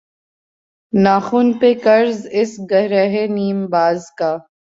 ناخن پہ قرض اس گرہِ نیم باز کا